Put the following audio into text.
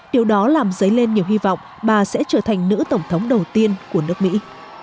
điều đó làm dấy lên nhiều hy vọng bà sẽ trở thành nữ tổng thống đầu tiên của nước mỹ